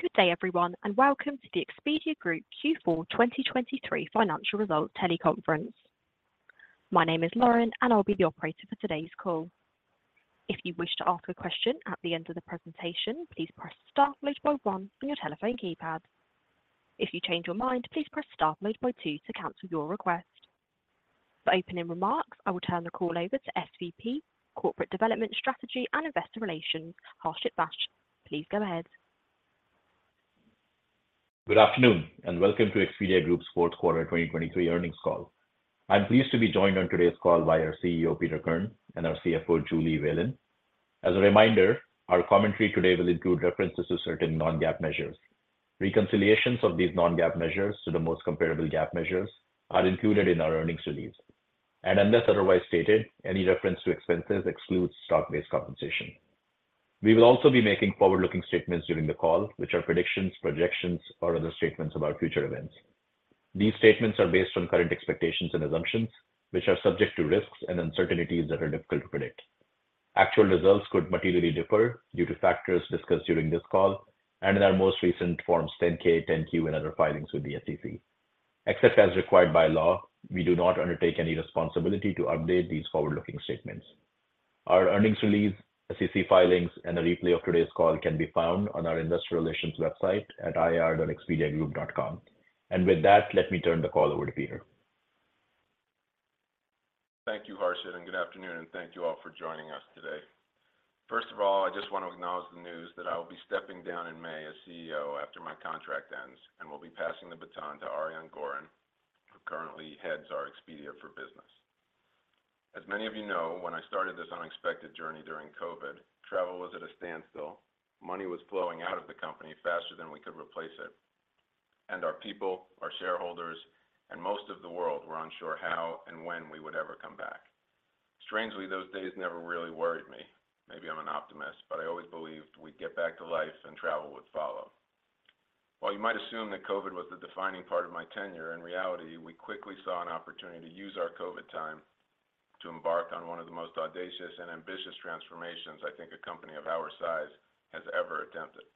Good day, everyone, and welcome to the Expedia Group Q4 2023 Financial Results teleconference. My name is Lauren, and I'll be the operator for today's call. If you wish to ask a question at the end of the presentation, please press star followed by one on your telephone keypad. If you change your mind, please press star followed by two to cancel your request. For opening remarks, I will turn the call over to SVP, Corporate Development Strategy and Investor Relations, Harshit Vaish. Please go ahead. Good afternoon, and welcome to Expedia Group's fourth quarter 2023 earnings call. I'm pleased to be joined on today's call by our CEO, Peter Kern, and our CFO, Julie Whalen. As a reminder, our commentary today will include references to certain non-GAAP measures. Reconciliations of these non-GAAP measures to the most comparable GAAP measures are included in our earnings release. Unless otherwise stated, any reference to expenses excludes stock-based compensation. We will also be making forward-looking statements during the call, which are predictions, projections, or other statements about future events. These statements are based on current expectations and assumptions, which are subject to risks and uncertainties that are difficult to predict. Actual results could materially differ due to factors discussed during this call and in our most recent Forms 10-K, 10-Q, and other filings with the SEC. Except as required by law, we do not undertake any responsibility to update these forward-looking statements. Our earnings release, SEC filings, and a replay of today's call can be found on our investor relations website at ir.expediagroup.com. With that, let me turn the call over to Peter. Thank you, Harshit, and good afternoon, and thank you all for joining us today. First of all, I just want to acknowledge the news that I will be stepping down in May as CEO after my contract ends, and will be passing the baton to Ariane Gorin, who currently heads our Expedia for Business. As many of you know, when I started this unexpected journey during COVID, travel was at a standstill, money was flowing out of the company faster than we could replace it, and our people, our shareholders, and most of the world were unsure how and when we would ever come back. Strangely, those days never really worried me. Maybe I'm an optimist, but I always believed we'd get back to life and travel would follow. While you might assume that COVID was the defining part of my tenure, in reality, we quickly saw an opportunity to use our COVID time to embark on one of the most audacious and ambitious transformations I think a company of our size has ever attempted.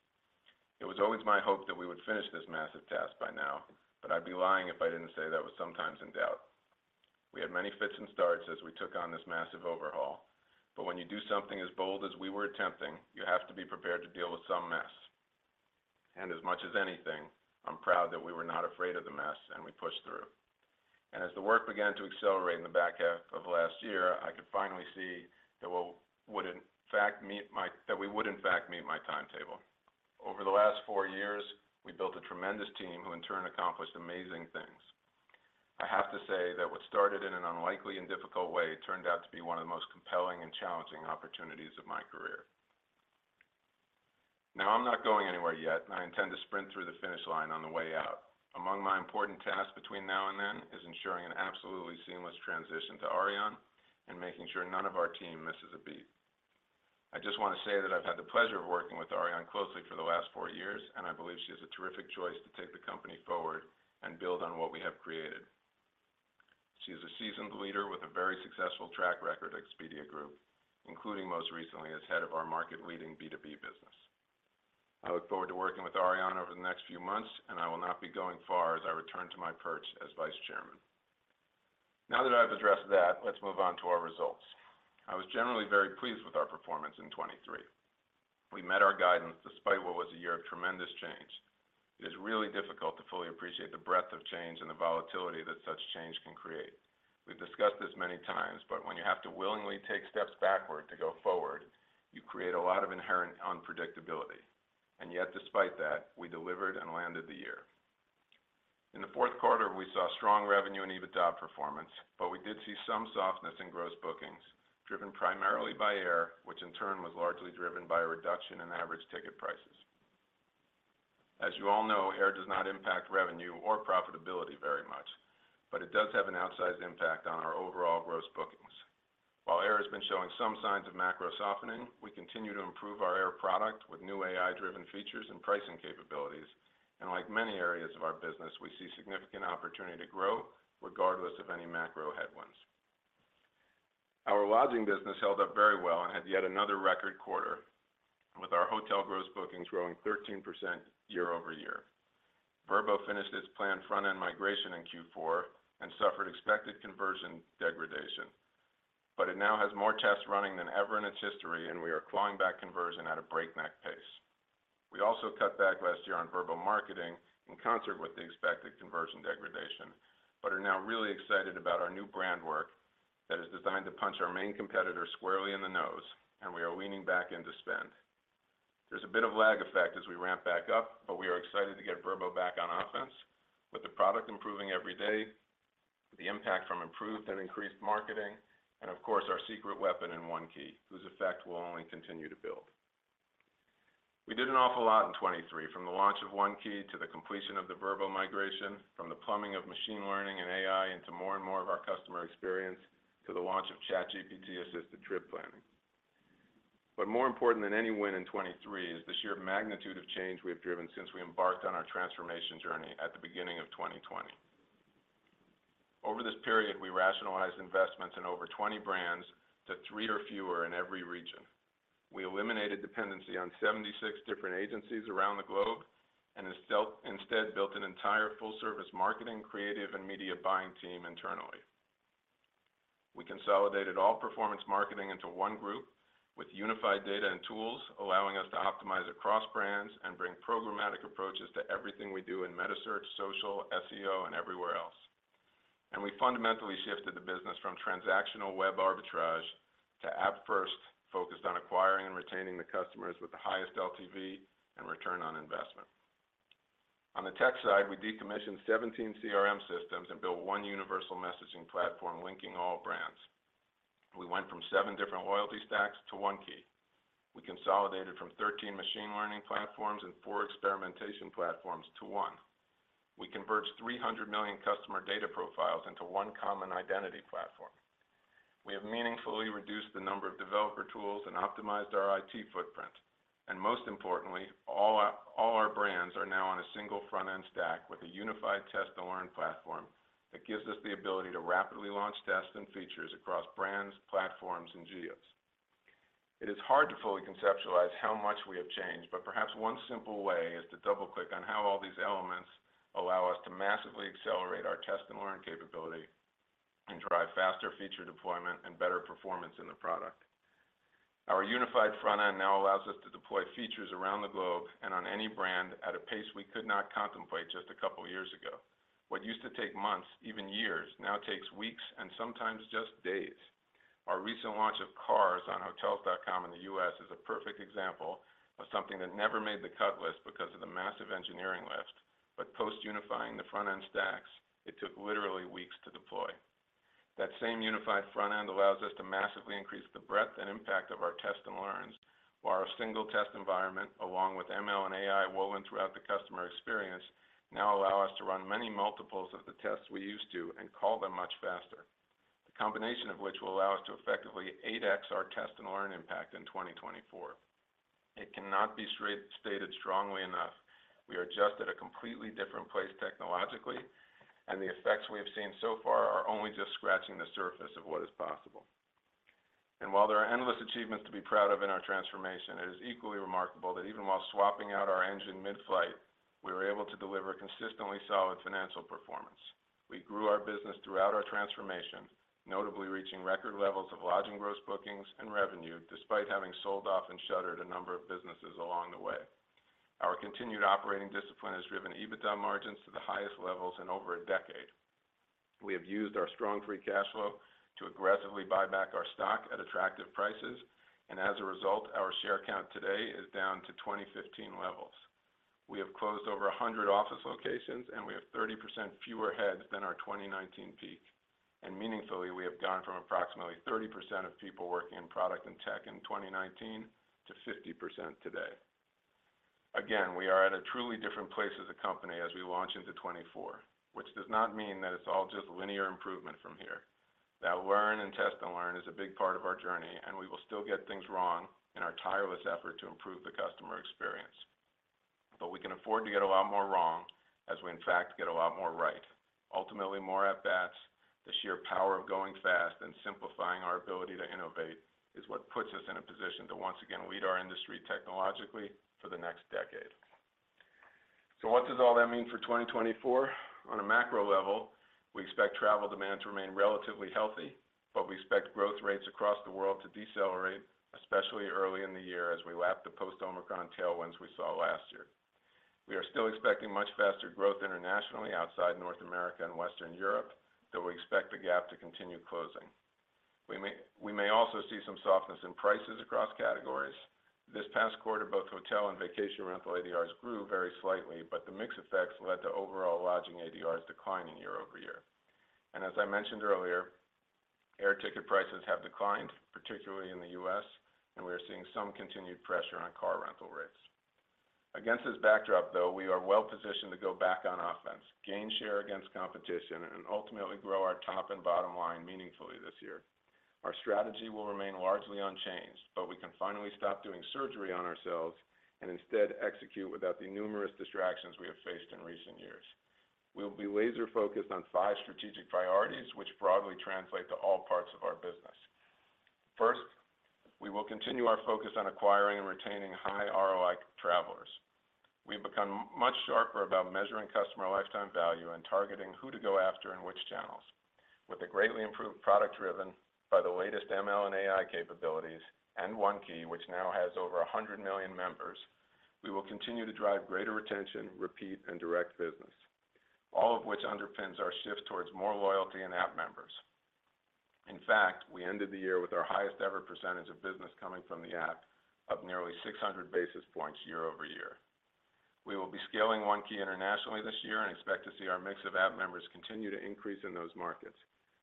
It was always my hope that we would finish this massive task by now, but I'd be lying if I didn't say that was sometimes in doubt. We had many fits and starts as we took on this massive overhaul, but when you do something as bold as we were attempting, you have to be prepared to deal with some mess. As much as anything, I'm proud that we were not afraid of the mess and we pushed through. As the work began to accelerate in the back half of last year, I could finally see that we would in fact meet my timetable. Over the last four years, we built a tremendous team who in turn accomplished amazing things. I have to say that what started in an unlikely and difficult way turned out to be one of the most compelling and challenging opportunities of my career. Now, I'm not going anywhere yet, and I intend to sprint through the finish line on the way out. Among my important tasks between now and then is ensuring an absolutely seamless transition to Ariane and making sure none of our team misses a beat. I just want to say that I've had the pleasure of working with Ariane closely for the last four years, and I believe she is a terrific choice to take the company forward and build on what we have created. She is a seasoned leader with a very successful track record at Expedia Group, including most recently as head of our market leading B2B business. I look forward to working with Ariane over the next few months, and I will not be going far as I return to my perch as Vice Chairman. Now that I've addressed that, let's move on to our results. I was generally very pleased with our performance in 2023. We met our guidance despite what was a year of tremendous change. It is really difficult to fully appreciate the breadth of change and the volatility that such change can create. We've discussed this many times, but when you have to willingly take steps backward to go forward, you create a lot of inherent unpredictability, and yet despite that, we delivered and landed the year. In the fourth quarter, we saw strong revenue and EBITDA performance, but we did see some softness in gross bookings, driven primarily by air, which in turn was largely driven by a reduction in average ticket prices. As you all know, air does not impact revenue or profitability very much, but it does have an outsized impact on our overall gross bookings. While air has been showing some signs of macro softening, we continue to improve our air product with new AI-driven features and pricing capabilities, and like many areas of our business, we see significant opportunity to grow regardless of any macro headwinds. Our lodging business held up very well and had yet another record quarter, with our hotel gross bookings growing 13% year-over-year. Vrbo finished its planned front-end migration in Q4 and suffered expected conversion degradation, but it now has more tests running than ever in its history, and we are clawing back conversion at a breakneck pace. We also cut back last year on Vrbo marketing in concert with the expected conversion degradation, but are now really excited about our new brand work that is designed to punch our main competitor squarely in the nose, and we are leaning back in to spend. There's a bit of lag effect as we ramp back up, but we are excited to get Vrbo back on offense with the product improving every day, the impact from improved and increased marketing, and of course, our secret weapon in One Key, whose effect will only continue to build. We did an awful lot in 2023, from the launch of One Key to the completion of the Vrbo migration, from the plumbing of machine learning and AI into more and more of our customer experience, to the launch of ChatGPT-assisted trip planning. But more important than any win in 2023, is the sheer magnitude of change we have driven since we embarked on our transformation journey at the beginning of 2020. Over this period, we rationalized investments in over 20 brands to three or fewer in every region. We eliminated dependency on 76 different agencies around the globe, and instead built an entire full-service marketing, creative, and media buying team internally. We consolidated all performance marketing into one group with unified data and tools, allowing us to optimize across brands and bring programmatic approaches to everything we do in metasearch, social, SEO, and everywhere else. We fundamentally shifted the business from transactional web arbitrage to app-first, focused on acquiring and retaining the customers with the highest LTV and return on investment. On the tech side, we decommissioned 17 CRM systems and built one universal messaging platform linking all brands. We went from 7 different loyalty stacks to One Key. We consolidated from 13 machine learning platforms and 4 experimentation platforms to one. We converged 300 million customer data profiles into one common identity platform. We have meaningfully reduced the number of developer tools and optimized our IT footprint, and most importantly, all our brands are now on a single front-end stack with a unified test-and-learn platform, that gives us the ability to rapidly launch tests and features across brands, platforms, and geos. It is hard to fully conceptualize how much we have changed, but perhaps one simple way is to double-click on how all these elements allow us to massively accelerate our test and learn capability, and drive faster feature deployment and better performance in the product. Our unified front end now allows us to deploy features around the globe and on any brand at a pace we could not contemplate just a couple of years ago. What used to take months, even years, now takes weeks, and sometimes just days. Our recent launch of cars on Hotels.com in the U.S. is a perfect example of something that never made the cut list because of the massive engineering lift, but post unifying the front-end stacks, it took literally weeks to deploy. That same unified front end allows us to massively increase the breadth and impact of our test and learns, while our single test environment, along with ML and AI woven throughout the customer experience, now allow us to run many multiples of the tests we used to and call them much faster. The combination of which will allow us to effectively 8x our test and learn impact in 2024. It cannot be stated strongly enough, we are just at a completely different place technologically, and the effects we have seen so far are only just scratching the surface of what is possible. While there are endless achievements to be proud of in our transformation, it is equally remarkable that even while swapping out our engine mid-flight, we were able to deliver consistently solid financial performance. We grew our business throughout our transformation, notably reaching record levels of lodging, gross bookings, and revenue, despite having sold off and shuttered a number of businesses along the way. Our continued operating discipline has driven EBITDA margins to the highest levels in over a decade. We have used our strong free cash flow to aggressively buy back our stock at attractive prices, and as a result, our share count today is down to 2015 levels. We have closed over 100 office locations, and we have 30% fewer heads than our 2019 peak, and meaningfully, we have gone from approximately 30% of people working in product and tech in 2019 to 50% today. Again, we are at a truly different place as a company as we launch into 2024, which does not mean that it's all just linear improvement from here. That learn and test and learn is a big part of our journey, and we will still get things wrong in our tireless effort to improve the customer experience. But we can afford to get a lot more wrong as we, in fact, get a lot more right. Ultimately, more at bats, the sheer power of going fast and simplifying our ability to innovate is what puts us in a position to once again lead our industry technologically for the next decade. So what does all that mean for 2024? On a macro level, we expect travel demand to remain relatively healthy, but we expect growth rates across the world to decelerate, especially early in the year as we lap the post-Omicron tailwinds we saw last year. We are still expecting much faster growth internationally outside North America and Western Europe, though we expect the gap to continue closing. We may, we may also see some softness in prices across categories. This past quarter, both hotel and vacation rental ADRs grew very slightly, but the mix effects led to overall lodging ADRs declining year-over-year. And as I mentioned earlier, air ticket prices have declined, particularly in the U.S., and we are seeing some continued pressure on car rental rates. Against this backdrop, though, we are well positioned to go back on offense, gain share against competition, and ultimately grow our top and bottom line meaningfully this year. Our strategy will remain largely unchanged, but we can finally stop doing surgery on ourselves and instead execute without the numerous distractions we have faced in recent years. We will be laser focused on five strategic priorities, which broadly translate to all parts of our business. First, we will continue our focus on acquiring and retaining high ROI travelers. We've become much sharper about measuring customer lifetime value and targeting who to go after in which channels. With a greatly improved product driven by the latest ML and AI capabilities, and One Key, which now has over 100 million members, we will continue to drive greater retention, repeat, and direct business, all of which underpins our shift towards more loyalty and app members. In fact, we ended the year with our highest-ever percentage of business coming from the app, up nearly 600 basis points year-over-year. We will be scaling One Key internationally this year and expect to see our mix of app members continue to increase in those markets.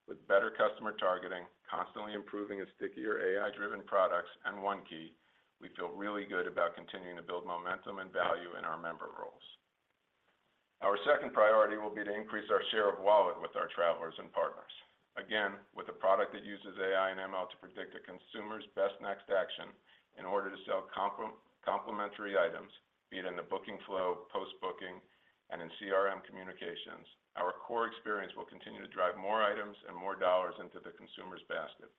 With better customer targeting, constantly improving and stickier AI-driven products, and One Key, we feel really good about continuing to build momentum and value in our member rolls. Our second priority will be to increase our share of wallet with our travelers and partners. Again, with a product that uses AI and ML to predict a consumer's best next action in order to sell complementary items, be it in the booking flow, post-booking, and in CRM communications. Our core experience will continue to drive more items and more dollars into the consumer's basket.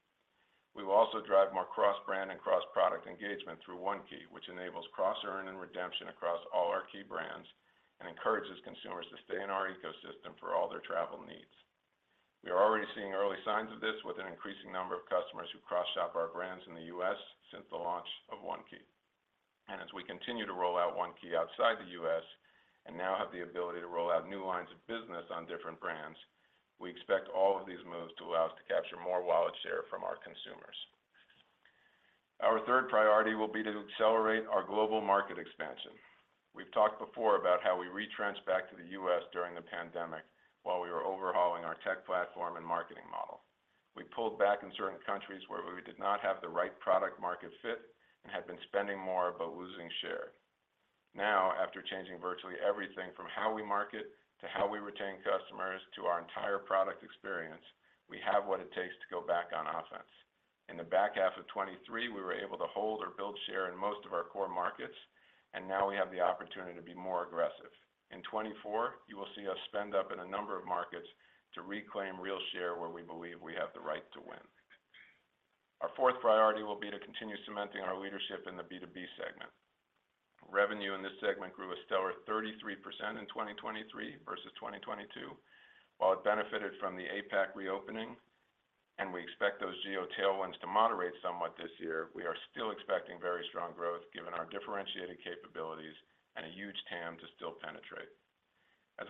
We will also drive more cross-brand and cross-product engagement through One Key, which enables cross earn and redemption across all our key brands, and encourages consumers to stay in our ecosystem for all their travel needs. We are already seeing early signs of this with an increasing number of customers who cross shop our brands in the US since the launch of One Key. As we continue to roll out One Key outside the U.S., and now have the ability to roll out new lines of business on different brands, we expect all of these moves to allow us to capture more wallet share from our consumers. Our third priority will be to accelerate our global market expansion. We've talked before about how we retrenched back to the U.S. during the pandemic, while we were overhauling our tech platform and marketing model. We pulled back in certain countries where we did not have the right product market fit, and had been spending more, but losing share. Now, after changing virtually everything from how we market, to how we retain customers, to our entire product experience, we have what it takes to go back on offense. In the back half of 2023, we were able to hold or build share in most of our core markets, and now we have the opportunity to be more aggressive. In 2024, you will see us spend up in a number of markets to reclaim real share where we believe we have the right to win. Our fourth priority will be to continue cementing our leadership in the B2B segment. Revenue in this segment grew a stellar 33% in 2023 versus 2022. While it benefited from the APAC reopening, and we expect those geo tailwinds to moderate somewhat this year, we are still expecting very strong growth, given our differentiated capabilities and a huge TAM to still penetrate. As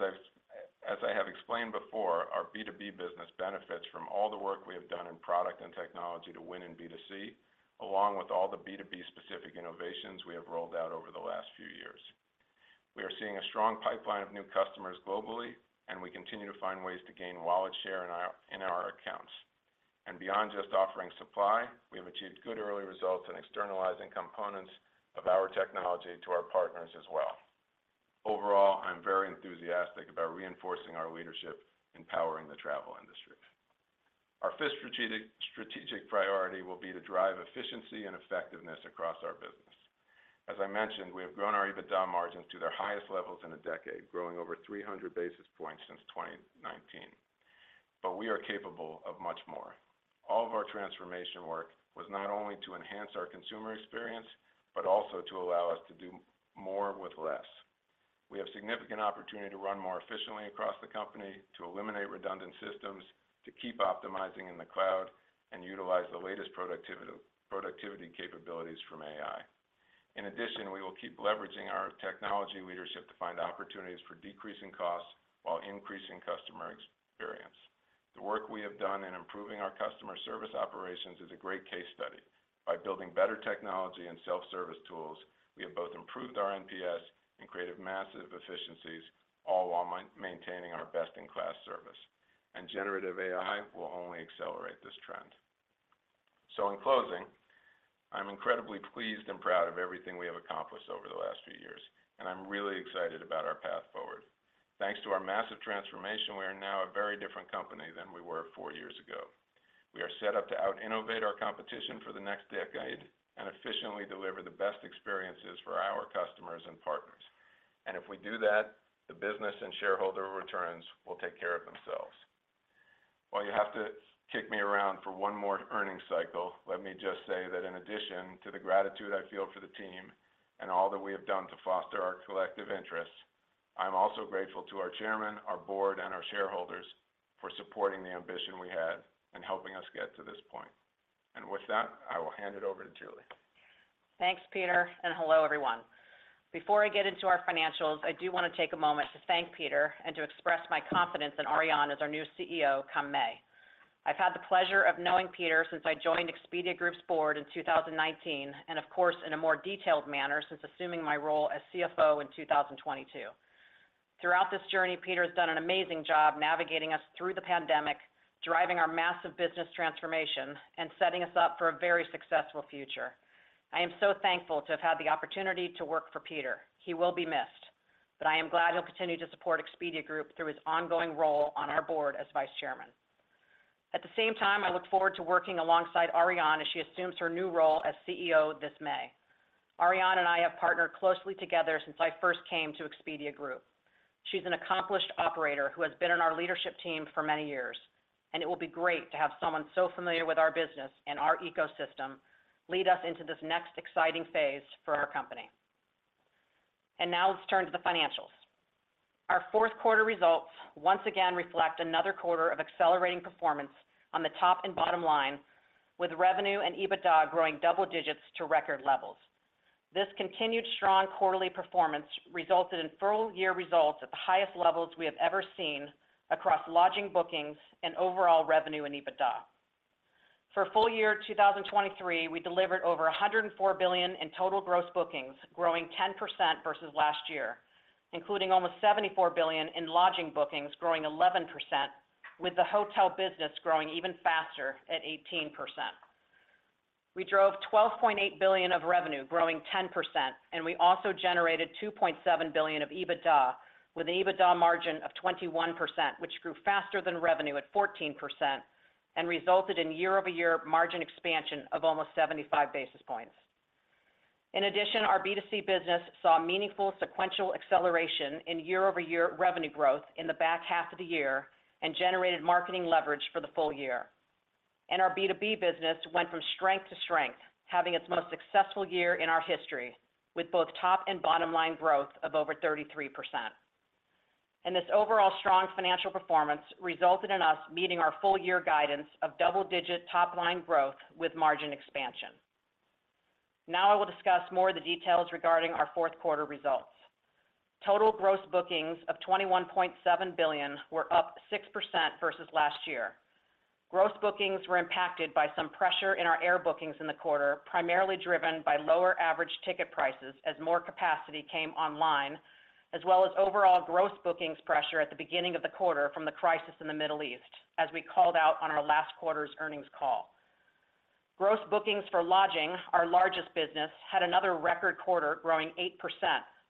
I have explained before, our B2B business benefits from all the work we have done in product and technology to win in B2C, along with all the B2B specific innovations we have rolled out over the last few years. We are seeing a strong pipeline of new customers globally, and we continue to find ways to gain wallet share in our accounts. And beyond just offering supply, we have achieved good early results in externalizing components of our technology to our partners as well. Overall, I'm very enthusiastic about reinforcing our leadership in powering the travel industry. Our fifth strategic priority will be to drive efficiency and effectiveness across our business. As I mentioned, we have grown our EBITDA margins to their highest levels in a decade, growing over 300 basis points since 2019. But we are capable of much more. All of our transformation work was not only to enhance our consumer experience, but also to allow us to do more with less. We have significant opportunity to run more efficiently across the company, to eliminate redundant systems, to keep optimizing in the cloud, and utilize the latest productivity capabilities from AI. In addition, we will keep leveraging our technology leadership to find opportunities for decreasing costs while increasing customer experience. The work we have done in improving our customer service operations is a great case study. By building better technology and self-service tools, we have both improved our NPS and created massive efficiencies, all while maintaining our best-in-class service. Generative AI will only accelerate this trend. In closing, I'm incredibly pleased and proud of everything we have accomplished over the last few years, and I'm really excited about our path forward. Thanks to our massive transformation, we are now a very different company than we were four years ago. We are set up to out-innovate our competition for the next decade, and efficiently deliver the best experiences for our customers and partners. If we do that, the business and shareholder returns will take care of themselves. While you have to kick me around for one more earnings cycle, let me just say that in addition to the gratitude I feel for the team and all that we have done to foster our collective interests, I'm also grateful to our chairman, our board, and our shareholders for supporting the ambition we had and helping us get to this point. With that, I will hand it over to Julie. Thanks, Peter, and hello, everyone. Before I get into our financials, I do want to take a moment to thank Peter and to express my confidence in Ariane as our new CEO come May. I've had the pleasure of knowing Peter since I joined Expedia Group's board in 2019, and of course, in a more detailed manner since assuming my role as CFO in 2022. Throughout this journey, Peter has done an amazing job navigating us through the pandemic, driving our massive business transformation, and setting us up for a very successful future. I am so thankful to have had the opportunity to work for Peter. He will be missed, but I am glad he'll continue to support Expedia Group through his ongoing role on our board as Vice Chairman. At the same time, I look forward to working alongside Ariane as she assumes her new role as CEO this May. Ariane and I have partnered closely together since I first came to Expedia Group. She's an accomplished operator who has been on our leadership team for many years, and it will be great to have someone so familiar with our business and our ecosystem lead us into this next exciting phase for our company. And now, let's turn to the financials. Our fourth quarter results once again reflect another quarter of accelerating performance on the top and bottom line, with revenue and EBITDA growing double digits to record levels. This continued strong quarterly performance resulted in full year results at the highest levels we have ever seen across lodging, bookings, and overall revenue and EBITDA. For full year 2023, we delivered over $104 billion in total gross bookings, growing 10% versus last year, including almost $74 billion in lodging bookings, growing 11%, with the hotel business growing even faster at 18%. We drove $12.8 billion of revenue, growing 10%, and we also generated $2.7 billion of EBITDA, with an EBITDA margin of 21%, which grew faster than revenue at 14% and resulted in year-over-year margin expansion of almost 75 basis points. In addition, our B2C business saw meaningful sequential acceleration in year-over-year revenue growth in the back half of the year and generated marketing leverage for the full year. And our B2B business went from strength to strength, having its most successful year in our history, with both top and bottom line growth of over 33%. This overall strong financial performance resulted in us meeting our full year guidance of double-digit top line growth with margin expansion. Now I will discuss more of the details regarding our fourth quarter results. Total gross bookings of $21.7 billion were up 6% versus last year. Gross bookings were impacted by some pressure in our air bookings in the quarter, primarily driven by lower average ticket prices as more capacity came online, as well as overall gross bookings pressure at the beginning of the quarter from the crisis in the Middle East, as we called out on our last quarter's earnings call. Gross bookings for lodging, our largest business, had another record quarter growing 8%,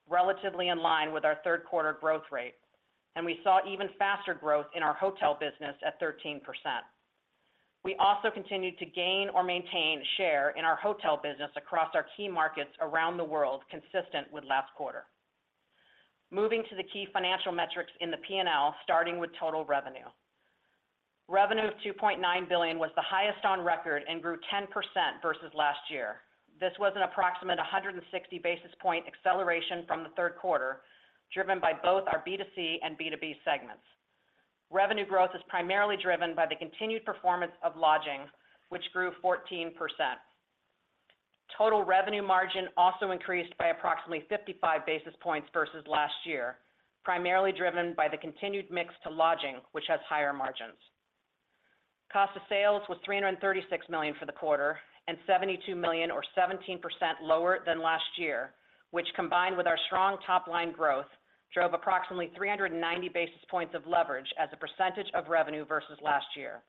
relatively in line with our third quarter growth rate, and we saw even faster growth in our hotel business at 13%. We also continued to gain or maintain share in our hotel business across our key markets around the world, consistent with last quarter. Moving to the key financial metrics in the P&L, starting with total revenue. Revenue of $2.9 billion was the highest on record and grew 10% versus last year. This was an approximate 160 basis point acceleration from the third quarter, driven by both our B2C and B2B segments. Revenue growth is primarily driven by the continued performance of lodging, which grew 14%. Total revenue margin also increased by approximately 55 basis points versus last year, primarily driven by the continued mix to lodging, which has higher margins. Cost of sales was $336 million for the quarter and $72 million or 17% lower than last year, which combined with our strong top line growth, drove approximately 390 basis points of leverage as a percentage of revenue versus last year.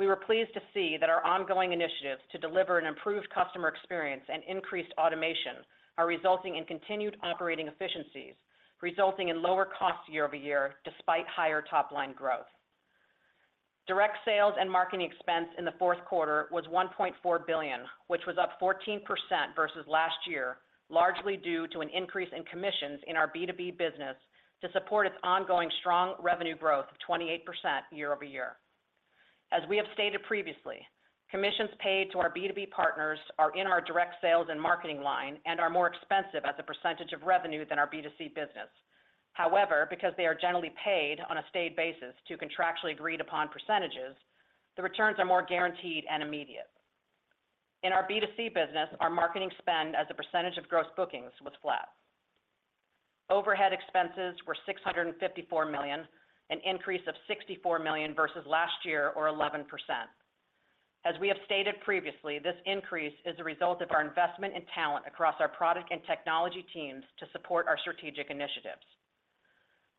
We were pleased to see that our ongoing initiatives to deliver an improved customer experience and increased automation are resulting in continued operating efficiencies, resulting in lower cost year-over-year, despite higher top line growth. Direct sales and marketing expense in the fourth quarter was $1.4 billion, which was up 14% versus last year, largely due to an increase in commissions in our B2B business to support its ongoing strong revenue growth of 28% year-over-year. As we have stated previously, commissions paid to our B2B partners are in our direct sales and marketing line and are more expensive as a percentage of revenue than our B2C business. However, because they are generally paid on a stayed basis to contractually agreed upon percentages, the returns are more guaranteed and immediate. In our B2C business, our marketing spend as a percentage of gross bookings was flat. Overhead expenses were $654 million, an increase of $64 million versus last year or 11%. As we have stated previously, this increase is a result of our investment in talent across our product and technology teams to support our strategic initiatives.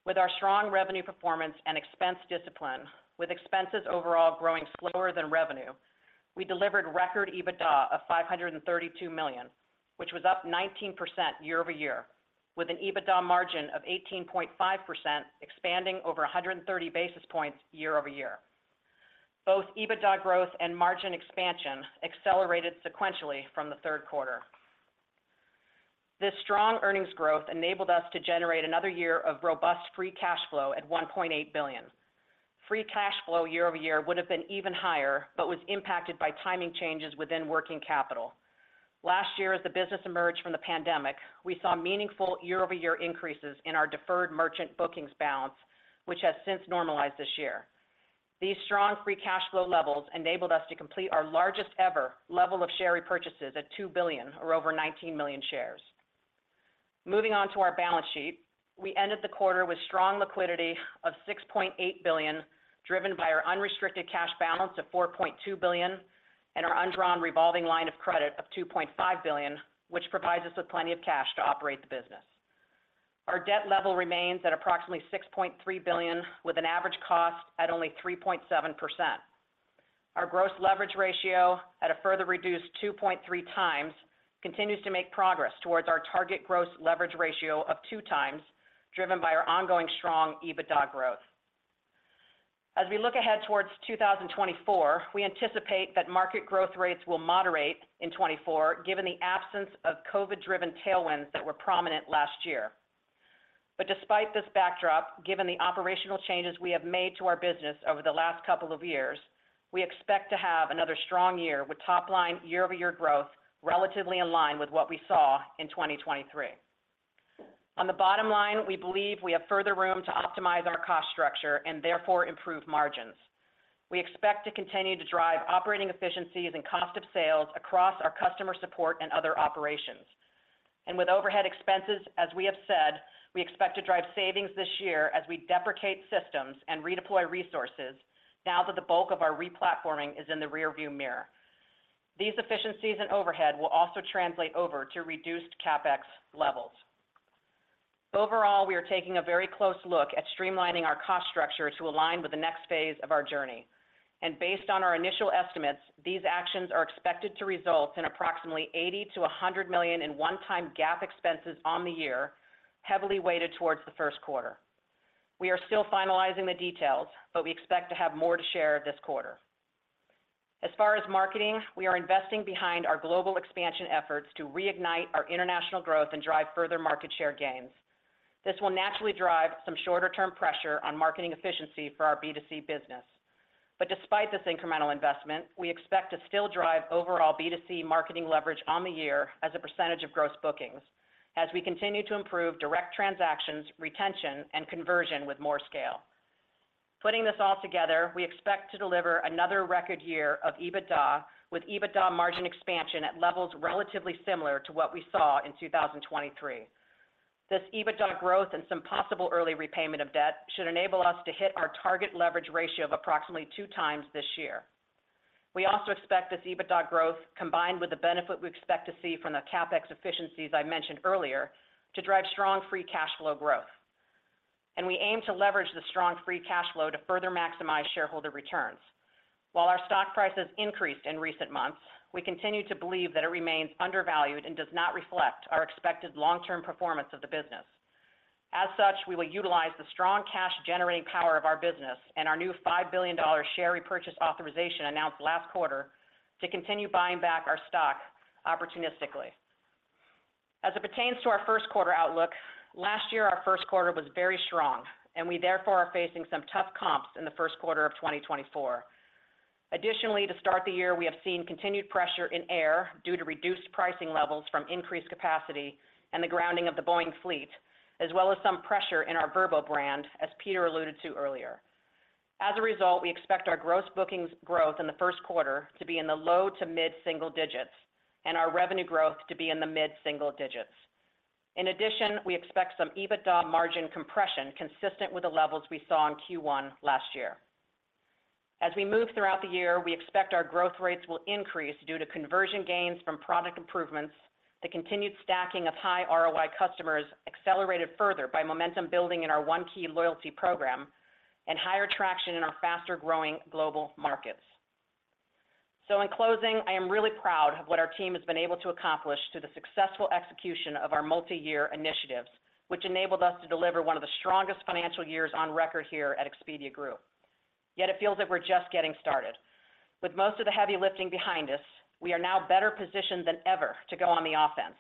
With our strong revenue performance and expense discipline, with expenses overall growing slower than revenue, we delivered record EBITDA of $532 million, which was up 19% year-over-year, with an EBITDA margin of 18.5%, expanding over 130 basis points year-over-year. Both EBITDA growth and margin expansion accelerated sequentially from the third quarter. This strong earnings growth enabled us to generate another year of robust free cash flow at $1.8 billion. Free cash flow year-over-year would have been even higher, but was impacted by timing changes within working capital. Last year, as the business emerged from the pandemic, we saw meaningful year-over-year increases in our deferred merchant bookings balance, which has since normalized this year. These strong free cash flow levels enabled us to complete our largest ever level of share repurchases at $2 billion, or over 19 million shares. Moving on to our balance sheet. We ended the quarter with strong liquidity of $6.8 billion, driven by our unrestricted cash balance of $4.2 billion and our undrawn revolving line of credit of $2.5 billion, which provides us with plenty of cash to operate the business. Our debt level remains at approximately $6.3 billion, with an average cost at only 3.7%. Our gross leverage ratio, at a further reduced 2.3 times, continues to make progress towards our target gross leverage ratio of 2 times, driven by our ongoing strong EBITDA growth. As we look ahead towards 2024, we anticipate that market growth rates will moderate in 2024, given the absence of COVID-driven tailwinds that were prominent last year. But despite this backdrop, given the operational changes we have made to our business over the last couple of years, we expect to have another strong year with top line year-over-year growth, relatively in line with what we saw in 2023. On the bottom line, we believe we have further room to optimize our cost structure and therefore improve margins. We expect to continue to drive operating efficiencies and cost of sales across our customer support and other operations. And with overhead expenses, as we have said, we expect to drive savings this year as we deprecate systems and redeploy resources now that the bulk of our replatforming is in the rearview mirror. These efficiencies and overhead will also translate over to reduced CapEx levels. Overall, we are taking a very close look at streamlining our cost structure to align with the next phase of our journey. Based on our initial estimates, these actions are expected to result in approximately $80 million-$100 million in one-time GAAP expenses on the year, heavily weighted towards the first quarter. We are still finalizing the details, but we expect to have more to share this quarter. As far as marketing, we are investing behind our global expansion efforts to reignite our international growth and drive further market share gains. This will naturally drive some shorter-term pressure on marketing efficiency for our B2C business. Despite this incremental investment, we expect to still drive overall B2C marketing leverage on the year as a percentage of gross bookings, as we continue to improve direct transactions, retention, and conversion with more scale. Putting this all together, we expect to deliver another record year of EBITDA, with EBITDA margin expansion at levels relatively similar to what we saw in 2023. This EBITDA growth and some possible early repayment of debt should enable us to hit our target leverage ratio of approximately 2x this year. We also expect this EBITDA growth, combined with the benefit we expect to see from the CapEx efficiencies I mentioned earlier, to drive strong free cash flow growth. We aim to leverage the strong free cash flow to further maximize shareholder returns. While our stock price has increased in recent months, we continue to believe that it remains undervalued and does not reflect our expected long-term performance of the business. As such, we will utilize the strong cash-generating power of our business and our new $5 billion share repurchase authorization announced last quarter to continue buying back our stock opportunistically. As it pertains to our first quarter outlook, last year, our first quarter was very strong, and we therefore are facing some tough comps in the first quarter of 2024. Additionally, to start the year, we have seen continued pressure in air due to reduced pricing levels from increased capacity and the grounding of the Boeing fleet, as well as some pressure in our Vrbo brand, as Peter alluded to earlier. As a result, we expect our gross bookings growth in the first quarter to be in the low to mid single digits, and our revenue growth to be in the mid single digits. In addition, we expect some EBITDA margin compression, consistent with the levels we saw in Q1 last year. As we move throughout the year, we expect our growth rates will increase due to conversion gains from product improvements, the continued stacking of high ROI customers accelerated further by momentum building in our One Key loyalty program, and higher traction in our faster-growing global markets. In closing, I am really proud of what our team has been able to accomplish through the successful execution of our multiyear initiatives, which enabled us to deliver one of the strongest financial years on record here at Expedia Group. Yet it feels that we're just getting started. With most of the heavy lifting behind us, we are now better positioned than ever to go on the offense,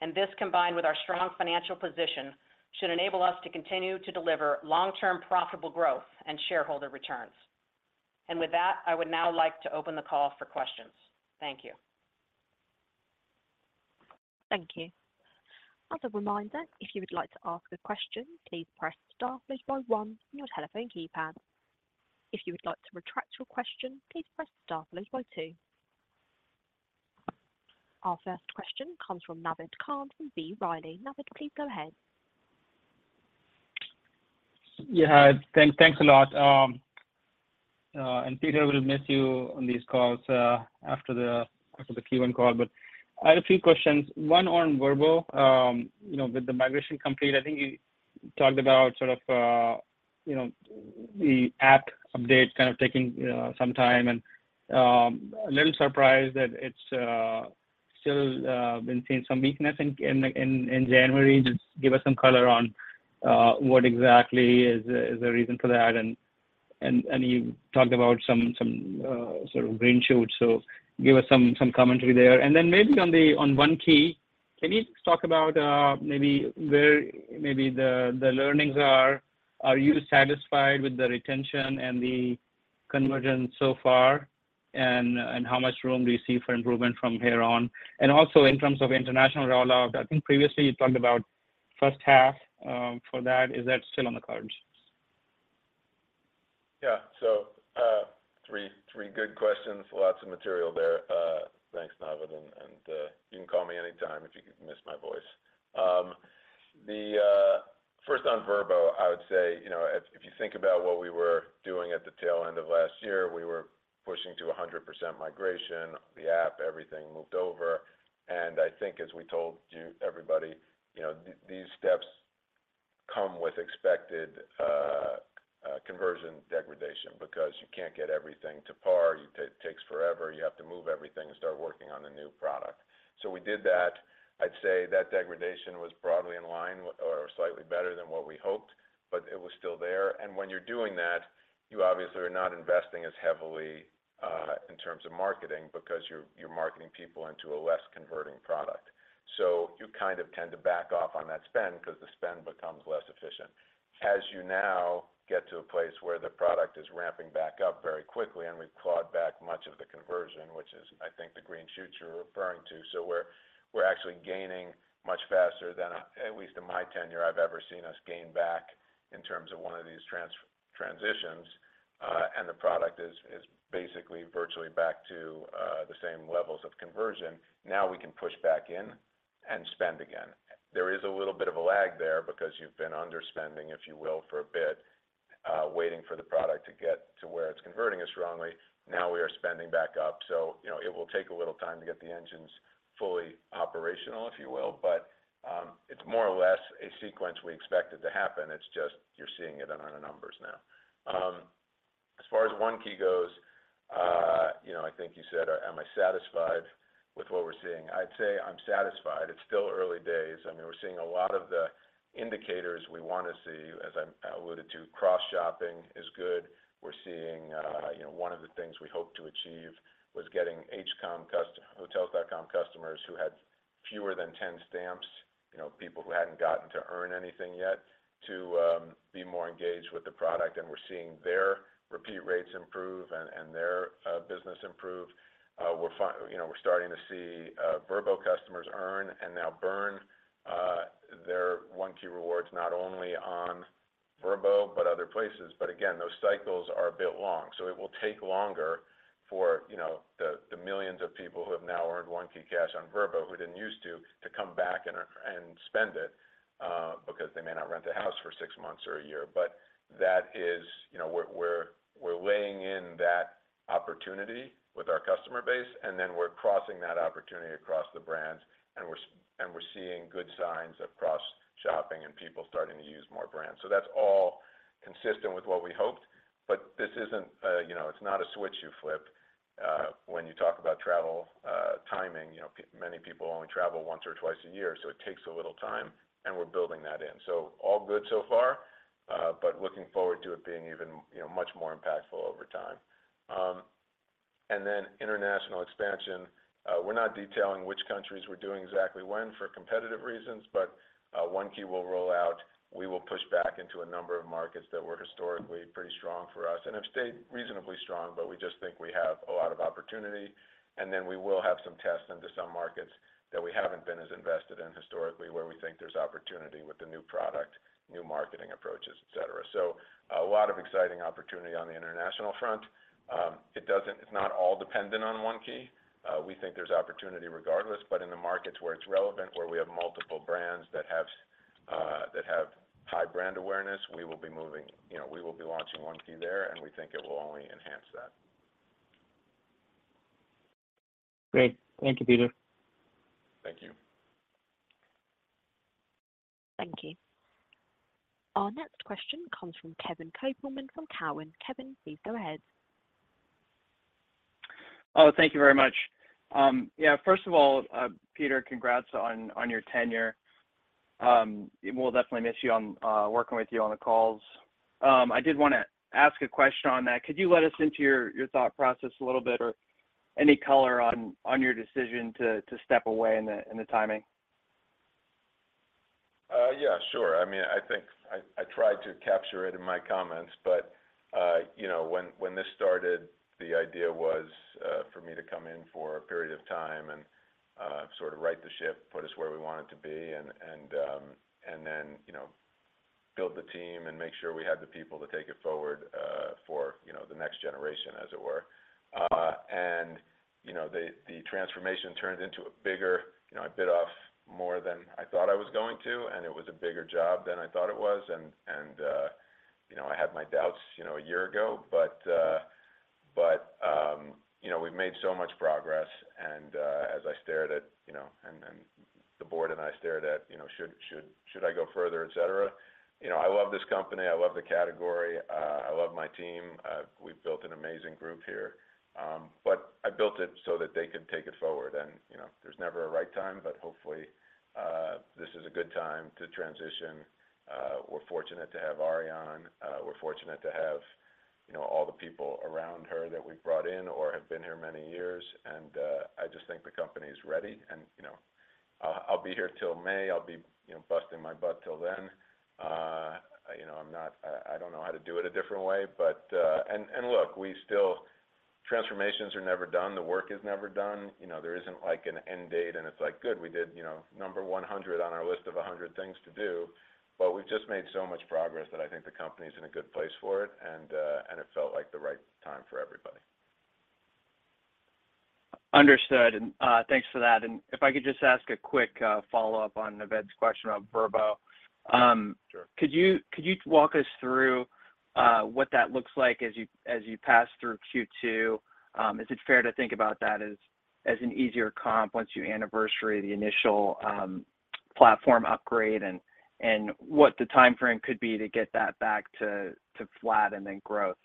and this, combined with our strong financial position, should enable us to continue to deliver long-term profitable growth and shareholder returns. With that, I would now like to open the call for questions. Thank you. Thank you. As a reminder, if you would like to ask a question, please press star followed by one on your telephone keypad. If you would like to retract your question, please press star followed by two. Our first question comes from Naved Khan from B. Riley. Naved, please go ahead. Yeah, thanks, thanks a lot. And Peter, we'll miss you on these calls after the Q1 call, but I had a few questions. One on Vrbo. You know, with the migration complete, I think you talked about sort of you know, the app update kind of taking some time and a little surprised that it's still been seeing some weakness in January. Just give us some color on what exactly is the reason for that, and you talked about some sort of green shoots, so give us some commentary there. And then maybe on the - on One Key, can you talk about maybe where the learnings are? Are you satisfied with the retention and the conversion so far, and, and how much room do you see for improvement from here on? And also in terms of international rollout, I think previously you talked about first half, for that. Is that still on the cards? Yeah. So, three good questions. Lots of material there. Thanks, Naved, and you can call me anytime if you miss my voice. The first on Vrbo, I would say, you know, if you think about what we were doing at the tail end of last year, we were pushing to 100% migration, the app, everything moved over. And I think as we told you, everybody, you know, these steps come with expected conversion degradation because you can't get everything to par. It takes forever. You have to move everything and start working on the new product. So we did that. I'd say that degradation was broadly in line or slightly better than what we hoped, but it was still there. And when you're doing that, you obviously are not investing as heavily in terms of marketing because you're marketing people into a less converting product. So you kind of tend to back off on that spend because the spend becomes less efficient. As you now get to a place where the product is ramping back up very quickly, and we've clawed back much of the conversion, which is, I think, the green shoots you're referring to. So we're actually gaining much faster than, at least in my tenure, I've ever seen us gain back in terms of one of these transitions, and the product is basically virtually back to the same levels of conversion. Now, we can push back in and spend again. There is a little bit of a lag there because you've been underspending, if you will, for a bit. Waiting for the product to get to where it's converting as strongly. Now we are spending back up, so, you know, it will take a little time to get the engines fully operational, if you will. But, it's more or less a sequence we expected to happen. It's just you're seeing it on our numbers now. As far as One Key goes, you know, I think you said, am I satisfied with what we're seeing? I'd say I'm satisfied. It's still early days. I mean, we're seeing a lot of the indicators we wanna see, as I alluded to. Cross-shopping is good. We're seeing, you know, one of the things we hoped to achieve was getting Hotels.com customers who had fewer than 10 stamps, you know, people who hadn't gotten to earn anything yet, to be more engaged with the product, and we're seeing their repeat rates improve and their business improve. You know, we're starting to see Vrbo customers earn and now burn their One Key rewards, not only on Vrbo, but other places. But again, those cycles are a bit long, so it will take longer for, you know, the millions of people who have now earned OneKeyCash on Vrbo, who didn't used to, to come back and spend it, because they may not rent a house for 6 months or a year. But that is, you know, we're weighing in that opportunity with our customer base, and then we're crossing that opportunity across the brands, and we're seeing good signs of cross-shopping and people starting to use more brands. So that's all consistent with what we hoped, but this isn't, you know, it's not a switch you flip, when you talk about travel, timing. You know, many people only travel once or twice a year, so it takes a little time, and we're building that in. So all good so far, but looking forward to it being even, you know, much more impactful over time. And then international expansion. We're not detailing which countries we're doing exactly when for competitive reasons, but, One Key will roll out. We will push back into a number of markets that were historically pretty strong for us and have stayed reasonably strong, but we just think we have a lot of opportunity. Then we will have some tests into some markets that we haven't been as invested in historically, where we think there's opportunity with the new product, new marketing approaches, et cetera. So a lot of exciting opportunity on the international front. It’s not all dependent on One Key. We think there's opportunity regardless, but in the markets where it's relevant, where we have multiple brands that have high brand awareness, we will be moving, you know, we will be launching One Key there, and we think it will only enhance that. Great. Thank you, Peter. Thank you. Thank you. Our next question comes from Kevin Kopelman from Cowen. Kevin, please go ahead. Oh, thank you very much. Yeah, first of all, Peter, congrats on your tenure. We'll definitely miss working with you on the calls. I did wanna ask a question on that. Could you let us into your thought process a little bit or any color on your decision to step away and the timing? Yeah, sure. I mean, I think I tried to capture it in my comments, but you know, when this started, the idea was for me to come in for a period of time and sort of right the ship, put us where we wanted to be, and then you know, build the team and make sure we had the people to take it forward for you know, the next generation, as it were. And you know, the transformation turned into a bigger you know, I bit off more than I thought I was going to, and it was a bigger job than I thought it was. And you know, I had my doubts you know, a year ago. But, you know, we've made so much progress, and as the board and I stared at, you know, should I go further, et cetera. You know, I love this company. I love the category. I love my team. We've built an amazing group here, but I built it so that they can take it forward. And, you know, there's never a right time, but hopefully this is a good time to transition. We're fortunate to have Ariane. We're fortunate to have, you know, all the people around her that we've brought in or have been here many years. And I just think the company is ready and, you know, I'll be here till May. I'll be, you know, busting my butt till then. You know, I don't know how to do it a different way, but look, transformations are never done. The work is never done. You know, there isn't, like, an end date, and it's like, good, we did, you know, number 100 on our list of 100 things to do. But we've just made so much progress that I think the company is in a good place for it, and it felt like the right time for everybody. Understood. Thanks for that. And if I could just ask a quick follow-up on Naved's question about Vrbo. Sure. Could you, could you walk us through what that looks like as you, as you pass through Q2? Is it fair to think about that as, as an easier comp once you anniversary the initial platform upgrade, and, and what the timeframe could be to get that back to, to flat and then growth?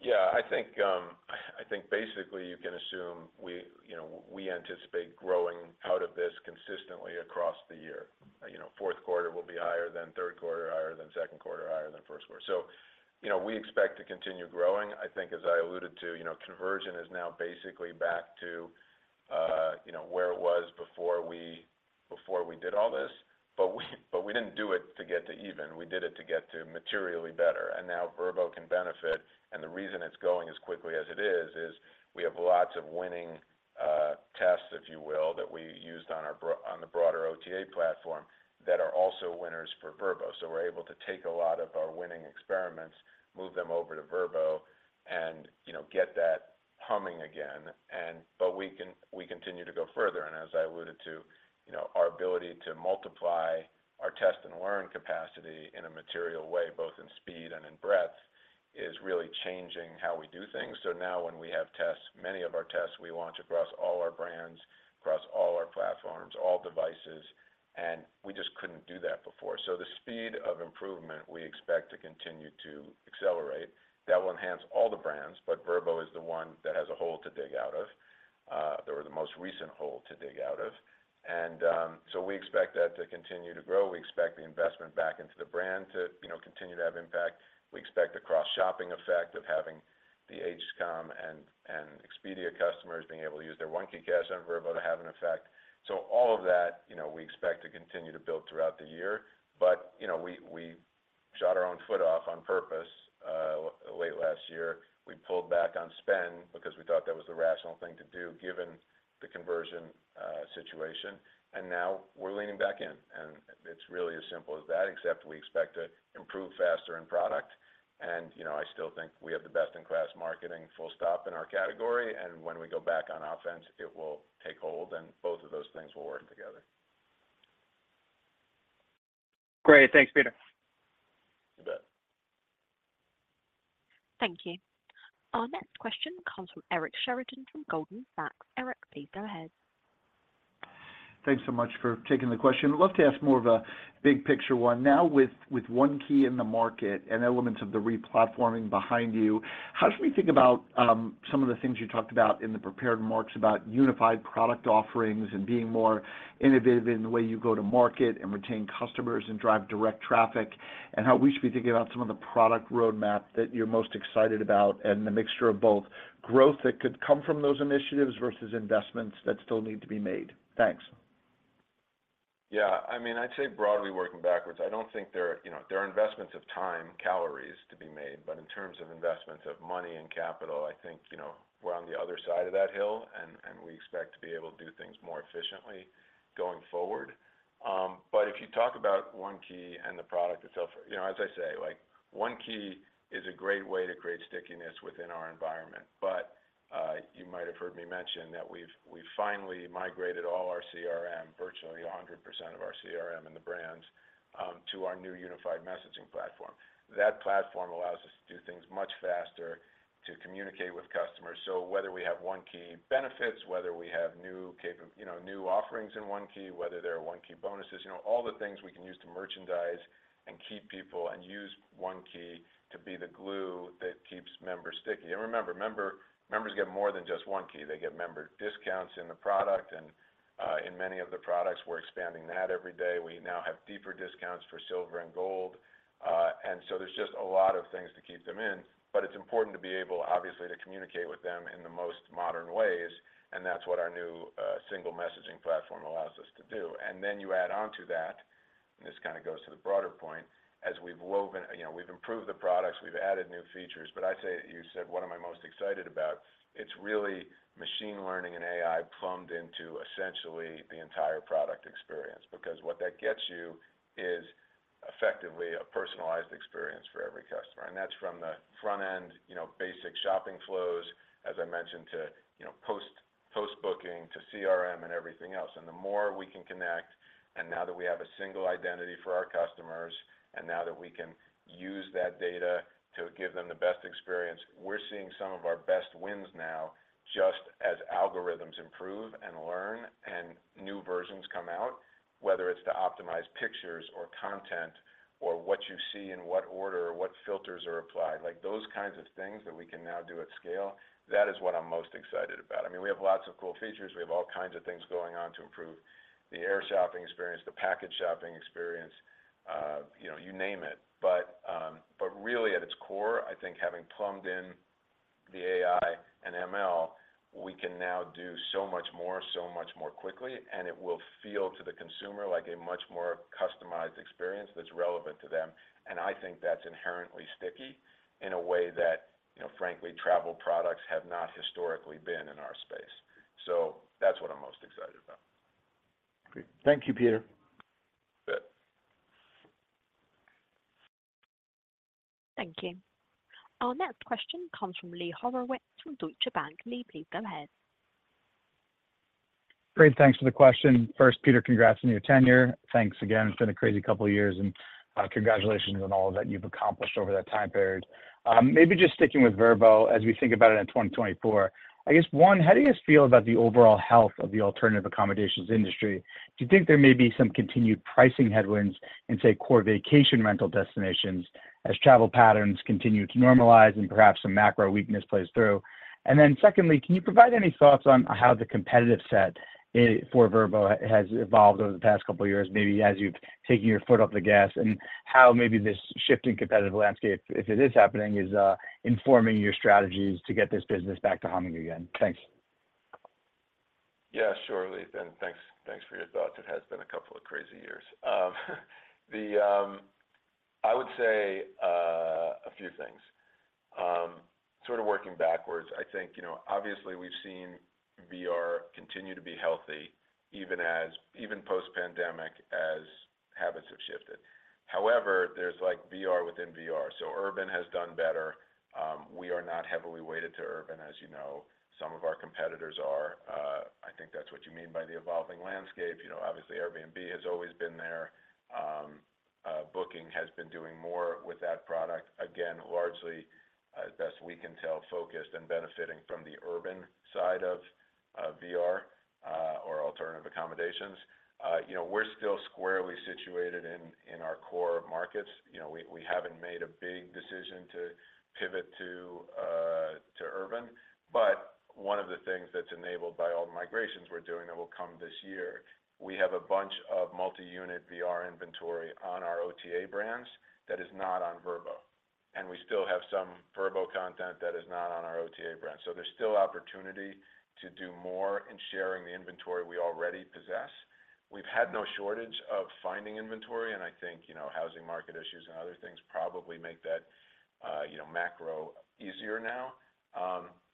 Yeah, I think, I think basically you can assume we, you know, we anticipate growing out of this consistently across the year. You know, fourth quarter will be higher than third quarter, higher than second quarter, higher than first quarter. So, you know, we expect to continue growing. I think, as I alluded to, you know, conversion is now basically back to, you know, where it was before we, before we did all this. But we, but we didn't do it to get to even. We did it to get to materially better. And now Vrbo can benefit, and the reason it's going as quickly as it is, is we have lots of winning tests, if you will, that we used on the broader OTA platform that are also winners for Vrbo. So we're able to take a lot of our winning experiments, move them over to Vrbo, and, you know, get that humming again, but we can continue to go further. As I alluded to, you know, our ability to multiply our test and learn capacity in a material way, both in speed and in breadth, is really changing how we do things. So now when we have tests, many of our tests, we launch across all our brands, across all our platforms, all devices, and we just couldn't do that before. So the speed of improvement, we expect to continue to accelerate. That will enhance all the brands, but Vrbo is the one that has a hole to dig out of, or the most recent hole to dig out of. So we expect that to continue to grow. We expect the investment back into the brand to, you know, continue to have impact. We expect the cross-shopping effect of having the HCOM and Expedia customers being able to use their OneKeyCash on Vrbo to have an effect. So all of that, you know, we expect to continue to build throughout the year. But, you know, we shot our own foot off on purpose late last year. We pulled back on spend because we thought that was the rational thing to do, given the conversion situation, and now we're leaning back in. And it's really as simple as that, except we expect to improve faster in product. And, you know, I still think we have the best-in-class marketing, full stop, in our category, and when we go back on offense, it will take hold, and both of those things will work together. Great. Thanks, Peter. You bet. Thank you. Our next question comes from Eric Sheridan from Goldman Sachs. Eric, please go ahead. Thanks so much for taking the question. I'd love to ask more of a big picture one. Now, with, with One Key in the market and elements of the replatforming behind you, how should we think about some of the things you talked about in the prepared remarks about unified product offerings and being more innovative in the way you go to market and retain customers and drive direct traffic? And how we should be thinking about some of the product roadmap that you're most excited about, and the mixture of both growth that could come from those initiatives versus investments that still need to be made. Thanks. Yeah, I mean, I'd say broadly working backwards, I don't think there are. You know, there are investments of time, calories to be made, but in terms of investments of money and capital, I think, you know, we're on the other side of that hill, and we expect to be able to do things more efficiently going forward. But if you talk about One Key and the product itself, you know, as I say, like, One Key is a great way to create stickiness within our environment. But you might have heard me mention that we've finally migrated all our CRM, virtually 100% of our CRM in the brands, to our new unified messaging platform. That platform allows us to do things much faster to communicate with customers. So whether we have One Key benefits, whether we have new offerings in One Key, whether they're One Key bonuses, you know, all the things we can use to merchandise and keep people and use One Key to be the glue that keeps members sticky. And remember, members get more than just One Key. They get member discounts in the product and in many of the products, we're expanding that every day. We now have deeper discounts for Silver and Gold. And so there's just a lot of things to keep them in, but it's important to be able, obviously, to communicate with them in the most modern ways, and that's what our new single messaging platform allows us to do. And then you add on to that, and this kinda goes to the broader point, as we've woven. You know, we've improved the products, we've added new features, but I'd say you said, what am I most excited about? It's really machine learning and AI plumbed into essentially the entire product experience, because what that gets you is effectively a personalized experience for every customer. And that's from the front end, you know, basic shopping flows, as I mentioned, to, you know, post-booking, to CRM and everything else. And the more we can connect, and now that we have a single identity for our customers, and now that we can use that data to give them the best experience, we're seeing some of our best wins now, just as algorithms improve and learn and new versions come out, whether it's to optimize pictures or content or what you see in what order or what filters are applied. Like, those kinds of things that we can now do at scale, that is what I'm most excited about. I mean, we have lots of cool features. We have all kinds of things going on to improve the air shopping experience, the package shopping experience, you know, you name it. But really at its core, I think having plumbed in the AI and ML, we can now do so much more, so much more quickly, and it will feel to the consumer like a much more customized experience that's relevant to them. And I think that's inherently sticky in a way that, you know, frankly, travel products have not historically been in our space. So that's what I'm most excited about. Great. Thank you, Peter. You bet. Thank you. Our next question comes from Lee Horowitz from Deutsche Bank. Lee, please go ahead. Great, thanks for the question. First, Peter, congrats on your tenure. Thanks again. It's been a crazy couple of years, and congratulations on all that you've accomplished over that time period. Maybe just sticking with Vrbo as we think about it in 2024, I guess, one, how do you guys feel about the overall health of the alternative accommodations industry? Do you think there may be some continued pricing headwinds in, say, core vacation rental destinations as travel patterns continue to normalize and perhaps some macro weakness plays through? And then secondly, can you provide any thoughts on how the competitive set for Vrbo has evolved over the past couple of years, maybe as you've taken your foot off the gas, and how maybe this shifting competitive landscape, if it is happening, is informing your strategies to get this business back to humming again? Thanks. Yeah, sure, Lee, and thanks, thanks for your thoughts. It has been a couple of crazy years. I would say a few things. Sort of working backwards, I think, you know, obviously, we've seen VR continue to be healthy, even post-pandemic, as habits have shifted. However, there's like VR within VR, so urban has done better. We are not heavily weighted to urban, as you know, some of our competitors are. I think that's what you mean by the evolving landscape. You know, obviously, Airbnb has always been there. Booking has been doing more with that product. Again, largely, as best we can tell, focused and benefiting from the urban side of VR, or alternative accommodations. You know, we're still squarely situated in our core markets. You know, we haven't made a big decision to pivot to, to urban. But one of the things that's enabled by all the migrations we're doing that will come this year, we have a bunch of multi-unit VR inventory on our OTA brands that is not on Vrbo, and we still have some Vrbo content that is not on our OTA brand. So there's still opportunity to do more in sharing the inventory we already possess. We've had no shortage of finding inventory, and I think, you know, housing market issues and other things probably make that, you know, macro easier now.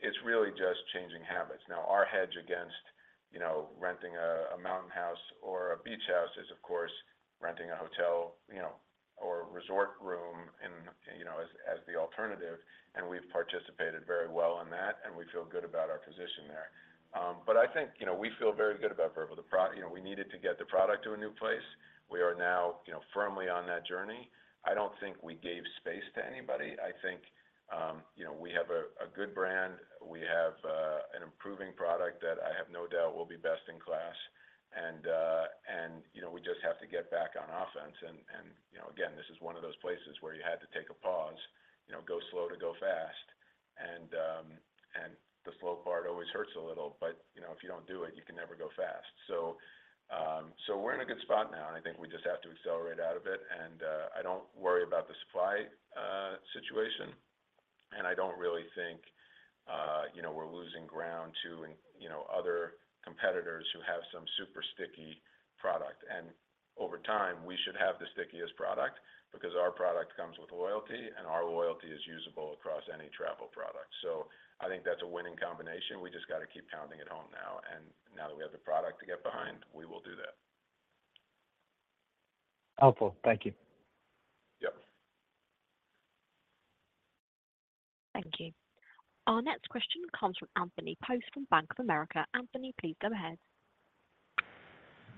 It's really just changing habits. Now, our hedge against, you know, renting a mountain house or a beach house is, of course, renting a hotel, you know, or resort room and, you know, as the alternative, and we've participated very well in that, and we feel good about our position there. But I think, you know, we feel very good about Vrbo. You know, we needed to get the product to a new place. We are now, you know, firmly on that journey. I don't think we gave space to anybody. I think, you know, we have a good brand. We have an improving product that I have no doubt will be best in class, and, you know, we just have to get back on offense. And, and, you know, again, this is one of those places where you had to take a pause, you know, go slow to go fast, and, and the slow part always hurts a little, but, you know, if you don't do it, you can never go fast. So, so we're in a good spot now, and I think we just have to accelerate out of it, and, I don't worry about the supply, situation, and I don't really think, you know, we're losing ground to, you know, other competitors who have some super sticky product. And over time, we should have the stickiest product because our product comes with loyalty, and our loyalty is usable across any travel product. So I think that's a winning combination. We just got to keep pounding it home now, and now that we have the product to get behind, we will do that. Helpful. Thank you. Yep. Thank you. Our next question comes from Anthony Post, from Bank of America. Anthony, please go ahead.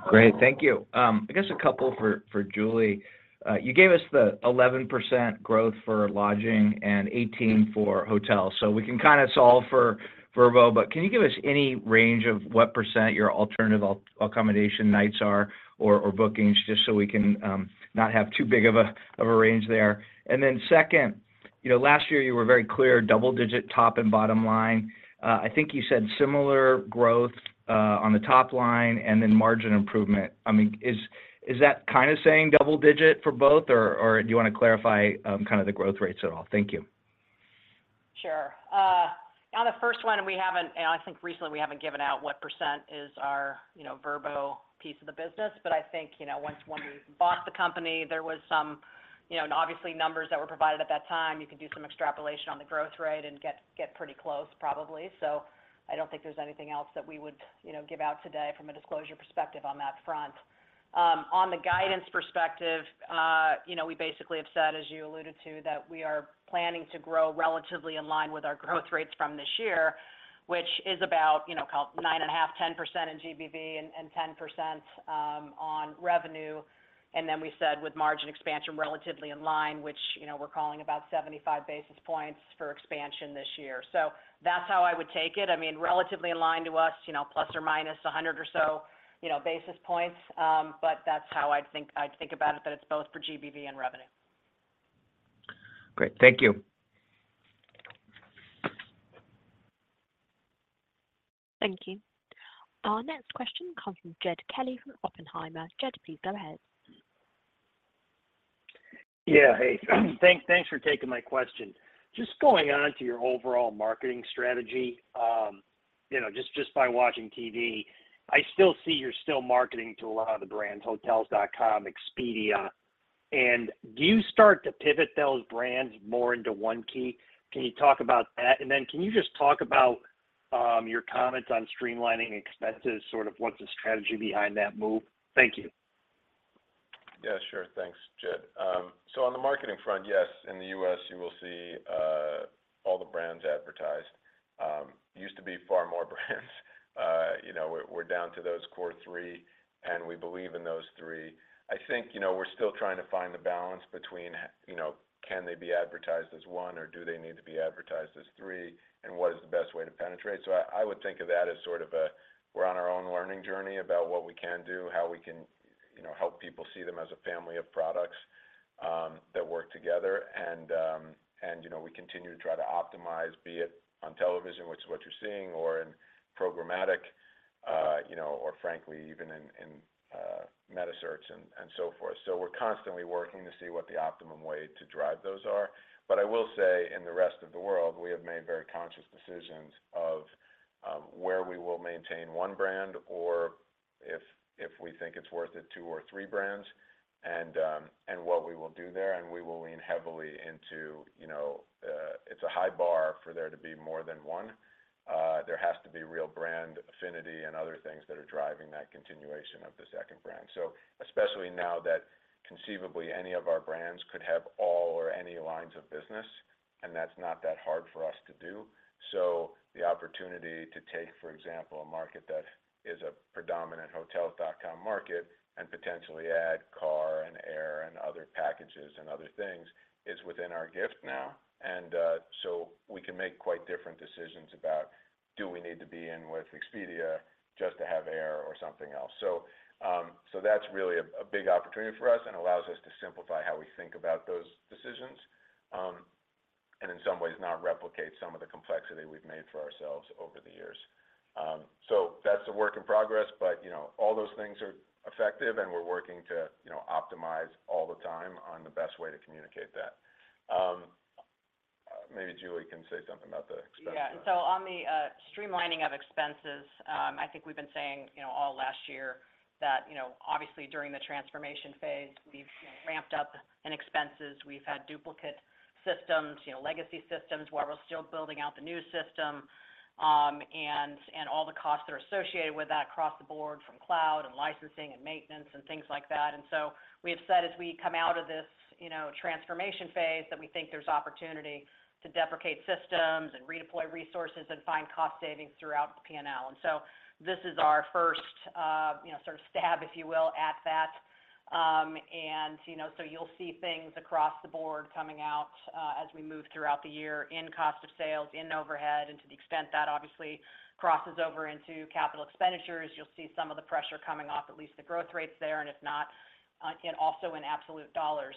Great, thank you. I guess a couple for Julie. You gave us the 11% growth for lodging and 18% for hotels, so we can kind of solve for Vrbo, but can you give us any range of what % your alternative accommodation nights are or bookings, just so we can not have too big of a range there? And then second, you know, last year you were very clear, double-digit top and bottom line. I think you said similar growth on the top line and then margin improvement. I mean, is that kind of saying double-digit for both, or do you want to clarify kind of the growth rates at all? Thank you. Sure. On the first one, we haven't, and I think recently we haven't given out what percent is our, you know, Vrbo piece of the business. But I think, you know, once when we bought the company, there was some, you know, and obviously numbers that were provided at that time, you can do some extrapolation on the growth rate and get pretty close, probably. So I don't think there's anything else that we would, you know, give out today from a disclosure perspective on that front. On the guidance perspective, you know, we basically have said, as you alluded to, that we are planning to grow relatively in line with our growth rates from this year, which is about, you know, call it 9.5%-10% in GBV and 10% on revenue. Then we said with margin expansion relatively in line, which, you know, we're calling about 75 basis points for expansion this year. That's how I would take it. I mean, relatively in line to us, you know, plus or minus 100 or so, you know, basis points, but that's how I'd think, I'd think about it, that it's both for GBV and revenue. Great. Thank you. Thank you. Our next question comes from Jed Kelly, from Oppenheimer. Jed, please go ahead. Yeah, hey, thanks for taking my question. Just going on to your overall marketing strategy, you know, just by watching TV, I still see you're still marketing to a lot of the brands, Hotels.com, Expedia, and do you start to pivot those brands more into One Key? Can you talk about that? And then can you just talk about your comments on streamlining expenses, sort of what's the strategy behind that move? Thank you. Yeah, sure. Thanks, Jed. So on the marketing front, yes, in the U.S., you will see all the brands advertised. Used to be far more brands. You know, we're down to those core three, and we believe in those three. I think, you know, we're still trying to find the balance between, you know, can they be advertised as one, or do they need to be advertised as three, and what is the best way to penetrate? So I, I would think of that as sort of a, we're on our own learning journey about what we can do, how we can, you know, help people see them as a family of products, that work together. And, and, you know, we continue to try to optimize, be it on television, which is what you're seeing, or in programmatic, or frankly, even in metasearch and so forth. So we're constantly working to see what the optimum way to drive those are. But I will say in the rest of the world, we have made very conscious decisions of where we will maintain one brand or if we think it's worth it, two or three brands, and what we will do there, and we will lean heavily into, you know, it's a high bar for there to be more than one. There has to be real brand affinity and other things that are driving that continuation of the second brand. So especially now that conceivably any of our brands could have all or any lines of business, and that's not that hard for us to do. So the opportunity to take, for example, a market that is a predominant Hotels.com market and potentially add car and air and other packages and other things, is within our gift now. So we can make quite different decisions about, do we need to be in with Expedia just to have air or something else? So, so that's really a big opportunity for us and allows us to simplify how we think about those decisions, and in some ways, not replicate some of the complexity we've made for ourselves over the years. So that's a work in progress, but, you know, all those things are effective, and we're working to, you know, optimize all the time on the best way to communicate that. Maybe Julie can say something about the expense. Yeah. And so on the streamlining of expenses, I think we've been saying, you know, all last year that, you know, obviously during the transformation phase, we've, you know, ramped up in expenses. We've had duplicate systems, you know, legacy systems, while we're still building out the new system, and all the costs that are associated with that across the board, from cloud and licensing and maintenance and things like that. And so we have said as we come out of this, you know, transformation phase, that we think there's opportunity to deprecate systems and redeploy resources and find cost savings throughout P&L. And so this is our first, you know, sort of stab, if you will, at that. And, you know, so you'll see things across the board coming out, as we move throughout the year in cost of sales, in overhead, and to the extent that obviously crosses over into capital expenditures. You'll see some of the pressure coming off, at least the growth rates there, and if not, and also in absolute dollars.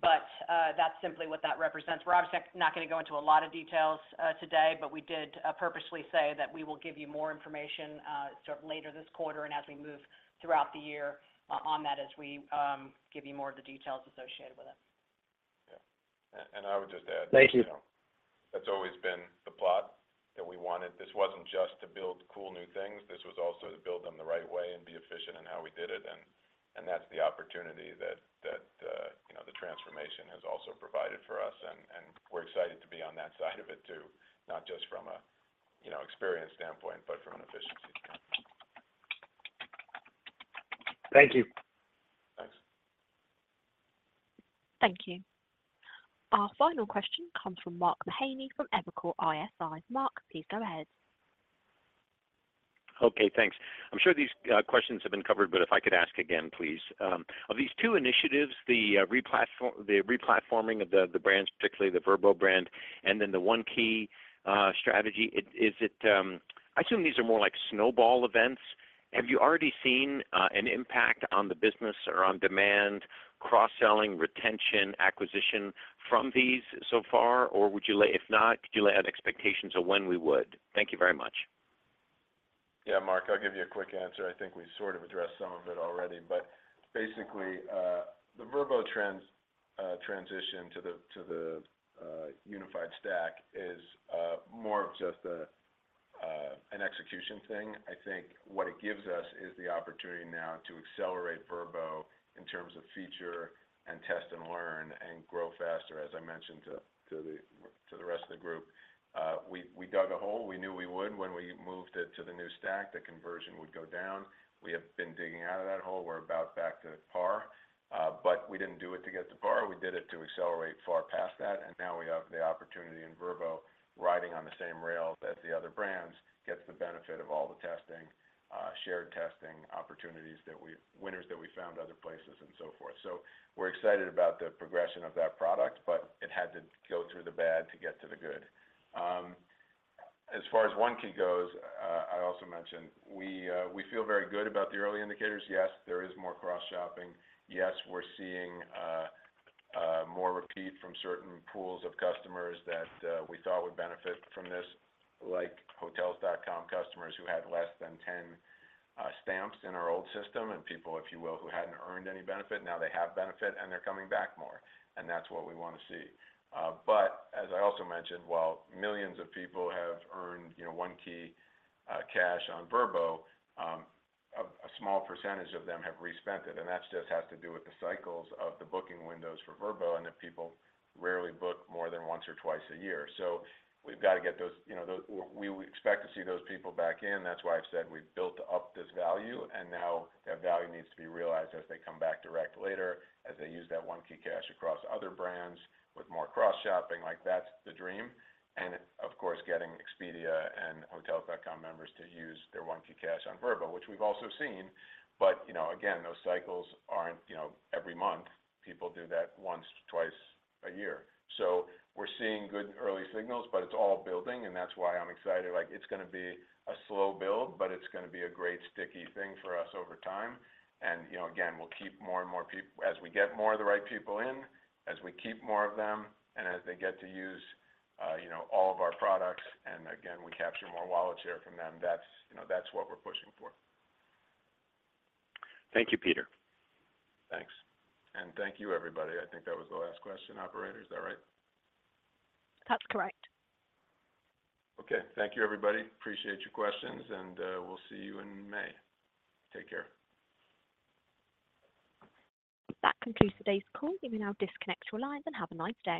But, that's simply what that represents. We're obviously not gonna go into a lot of details, today, but we did purposely say that we will give you more information, sort of later this quarter and as we move throughout the year, on that as we give you more of the details associated with it. Yeah. And I would just add- Thank you. That's always been the plot that we wanted. This wasn't just to build cool new things. This was also to build them the right way and be efficient in how we did it, and that's the opportunity that you know the transformation has also provided for us. And we're excited to be on that side of it, too, not just from a you know experience standpoint, but from an efficiency standpoint. Thank you. Thanks. Thank you. Our final question comes from Mark Mahaney from Evercore ISI. Mark, please go ahead. Okay, thanks. I'm sure these questions have been covered, but if I could ask again, please. Of these two initiatives, the replatforming of the brands, particularly the Vrbo brand, and then the One Key strategy, is it. I assume these are more like snowball events. Have you already seen an impact on the business or on demand, cross-selling, retention, acquisition from these so far? Or would you lay out? If not, could you lay out expectations of when we would? Thank you very much. Yeah, Mark, I'll give you a quick answer. I think we sort of addressed some of it already, but basically, the Vrbo transition to the unified stack is more of just an execution thing. I think what it gives us is the opportunity now to accelerate Vrbo in terms of feature and test and learn and grow faster, as I mentioned to the rest of the group. We dug a hole. We knew we would when we moved it to the new stack, the conversion would go down. We have been digging out of that hole. We're about back to par, but we didn't do it to get to par. We did it to accelerate far past that, and now we have the opportunity in Vrbo, riding on the same rail as the other brands, gets the benefit of all the testing, shared testing opportunities that we've winners that we found other places and so forth. So we're excited about the progression of that product, but it had to go through the bad to get to the good. As far as One Key goes, I also mentioned we, we feel very good about the early indicators. Yes, there is more cross-shopping. Yes, we're seeing more repeat from certain pools of customers that we thought would benefit from this, like Hotels.com customers who had less than 10 stamps in our old system, and people, if you will, who hadn't earned any benefit; now they have benefit, and they're coming back more, and that's what we want to see. But as I also mentioned, while millions of people have earned, you know, OneKeyCash on Vrbo, a small percentage of them have re-spent it, and that just has to do with the cycles of the booking windows for Vrbo and that people rarely book more than once or twice a year. So we've got to get those, you know, those. We expect to see those people back in. That's why I've said we've built up this value, and now that value needs to be realized as they come back direct later, as they use that OneKeyCash across other brands with more cross-shopping, like, that's the dream. And of course, getting Expedia and Hotels.com members to use their OneKeyCash on Vrbo, which we've also seen. But, you know, again, those cycles aren't, you know, every month. People do that once, twice a year. So we're seeing good early signals, but it's all building, and that's why I'm excited. Like, it's gonna be a slow build, but it's gonna be a great sticky thing for us over time. And, you know, again, we'll keep more and more people, as we get more of the right people in, as we keep more of them, and as they get to use, you know, all of our products, and again, we capture more wallet share from them, that's, you know, that's what we're pushing for. Thank you, Peter. Thanks. Thank you, everybody. I think that was the last question, operator. Is that right? That's correct. Okay. Thank you, everybody. Appreciate your questions, and we'll see you in May. Take care. That concludes today's call. You may now disconnect your lines and have a nice day.